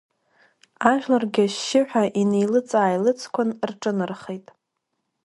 Ажәларгьы ашьшьыҳәа инеилыҵ-ааилыҵқәан рҿынархеит.